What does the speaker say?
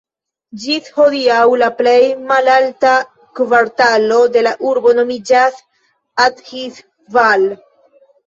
Ĝis hodiaŭ, la plej malalta kvartalo de la urbo nomiĝas "Athis-Val".